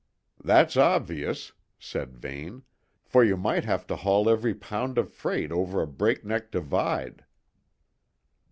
"That's obvious," said Vane: "for you might have to haul every pound of freight over a breakneck divide."